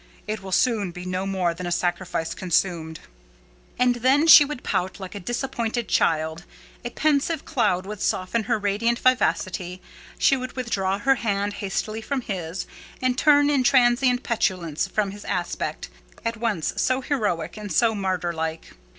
It will soon be no more than a sacrifice consumed." And then she would pout like a disappointed child; a pensive cloud would soften her radiant vivacity; she would withdraw her hand hastily from his, and turn in transient petulance from his aspect, at once so heroic and so martyr like.